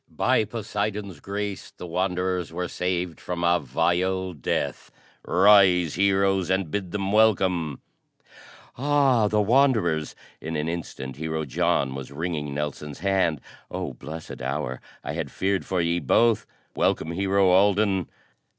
"By Poseidon's grace the Wanderers were saved from a vile death. Rise Heroes, and bid them welcome!" "Ah, the Wanderers!" In an instant Hero John was wringing Nelson's hand. "Oh blessed hour! I had feared for ye both. Welcome, Hero Alden!"